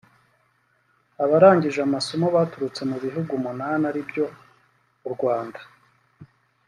Abaqrangije amasomo baturutse mu bihugu umunani aribyo u Rwanda